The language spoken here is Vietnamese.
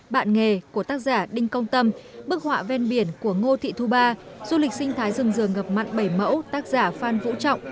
bạn nghề của tác giả đinh công tâm bức họa ven biển của ngô thị thu ba du lịch sinh thái rừng rường ngập mặn bảy mẫu tác giả phan vũ trọng